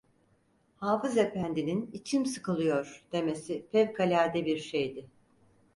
Hafız efendinin "İçim sıkılıyor!" demesi fevkalade bir şeydi.